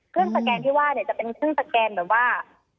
เครื่องสแกนที่ว่าจะเป็นเครื่องสแกนแบบว่า